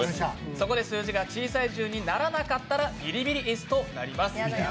そこで数字が小さい順にならなかったらビリビリ椅子となります。